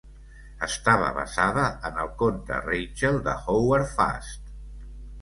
Estava basada en el conte "Rachel" de Howard Fast.